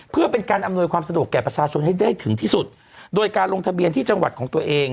เพื่อเป็นการอำนวยความสะดวกแก่ประชาชนให้ได้ถึงที่สุดโดยการลงทะเบียนที่จังหวัดของตัวเอง